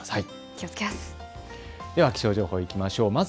では気象情報いきましょう。